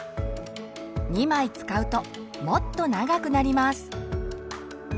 ２枚使うともっと長くなります。